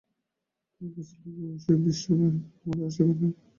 তোমরা কাজে লাগো, ঈশ্বর তোমাদের আশীর্বাদ করুন।